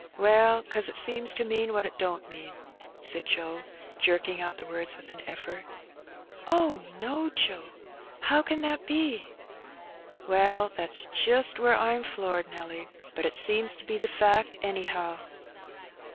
"Well, 'cause it seems to mean what it don't mean," said Joe, jerking out the words with an eflfort. "Oh, no, Joe; how can that be?" " Well, that's jist where Fm floored, Nelly. But it seem to be the fact, anyhow."